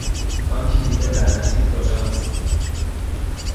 آن کلید لعنتی کجاست؟